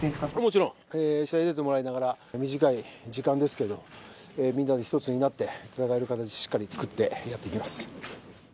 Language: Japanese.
もちろん。試合に出てもらいながら、短い時間ですけど、みんなで１つになって、戦える形をしっかり作ってやっていきます。